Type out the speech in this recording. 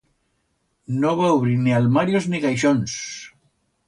No va ubrir ni almarios ni caixons.